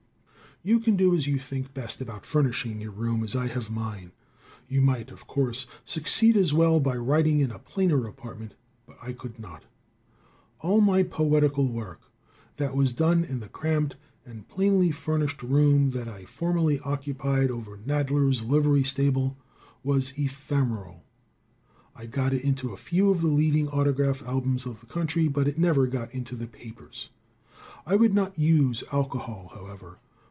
You can do as you think best about furnishing your room as I have mine. You might, of course, succeed as well by writing in a plainer apartment, but I could not. All my poetical work that was done in the cramped and plainly furnished room that I formerly occupied over Knadler's livery stable, was ephemeral. It got into a few of the leading autograph albums of the country, but it never got into the papers. I would not use alcohol, however.